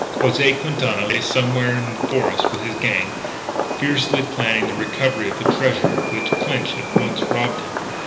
José Quintana lay somewhere in the forests with his gang, fiercely planning the recovery of the treasure of which Clinch had once robbed him.